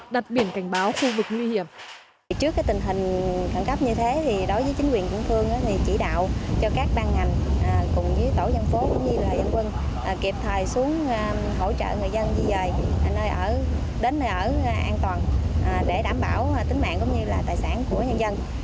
đặt biển cảnh báo khu vực nguy hiểm